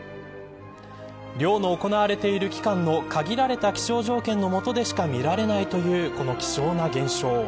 漁の行われている期間の限られた気象条件の下でしか見られないというこの希少な現象。